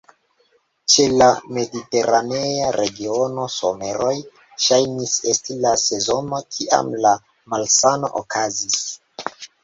Ĉe la Mediteranea Regiono, someroj ŝajnis esti la sezono kiam la malsano okazis.